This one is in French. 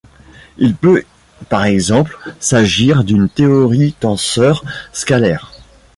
Il peut par exemple s'agir d'une théorie tenseur-scalaire.